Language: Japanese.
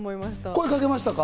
声かけましたか？